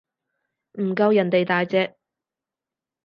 唔夠人哋大隻